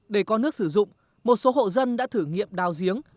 để có nước sử dụng một số hộ dân đã thử nghiệm đào giếng